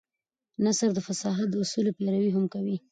نثر د فصاحت د اصولو پيروي هم کوي.